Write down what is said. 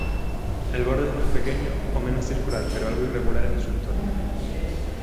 El borde es más o menos circular, pero algo irregular en su contorno.